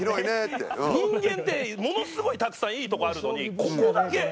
人間ってものすごいたくさんいいとこあるのにここだけ！